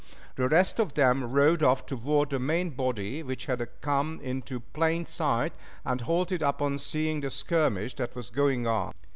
The rest of them rode off toward the main body, which had come into plain sight and halted, upon seeing the skirmish that was going on.